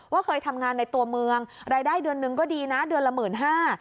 เคยทำงานในตัวเมืองรายได้เดือนหนึ่งก็ดีนะเดือนละหมื่นห้า